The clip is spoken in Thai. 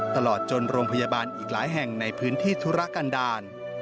ตลอดจนโรงพยาบาลอีกหลายแห่งในพื้นที่ธุรกันดาล